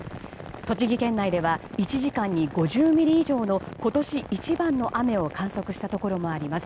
栃木県内では１時間に５０ミリ以上の今年一番の雨を観測したところもあります。